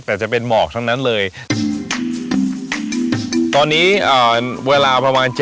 แต่จะเป็นหมอกทั้งนั้นเลยตอนนี้อ่าเวลาประมาณ